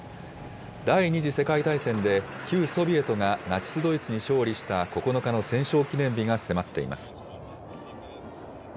第２次世界大戦で、旧ソビエトがナチス・ドイツに勝利した９日の戦勝記念日が迫っています。